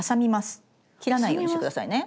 切らないようにして下さいね。